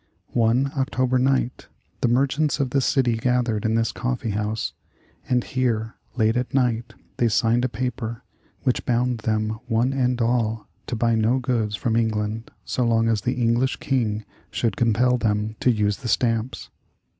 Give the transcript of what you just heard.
One October night the merchants of the city gathered in this coffee house, and here, late at night, they signed a paper which bound them one and all to buy no goods from England so long as the English King should compel them to use the stamps.